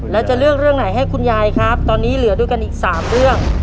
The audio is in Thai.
แล้วจะเลือกเรื่องไหนให้คุณยายครับตอนนี้เหลือด้วยกันอีก๓เรื่อง